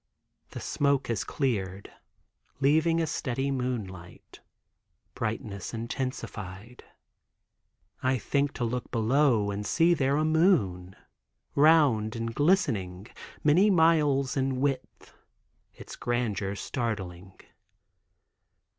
The smoke has cleared, leaving a steady moonlight, brightness intensified. I think to look below and see there a moon, round and glistening, many miles in width, its grandeur startling.